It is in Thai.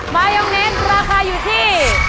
มายองเน้นราคาอยู่ที่